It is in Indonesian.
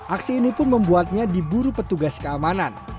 aksi ini pun membuatnya diburu petugas keamanan